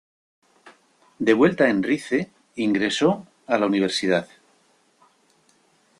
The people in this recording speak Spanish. De vuelta en Rize ingresó a la universidad.